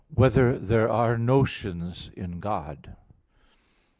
2] Whether There Are Notions in God?